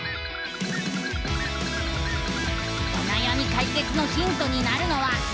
おなやみかいけつのヒントになるのは。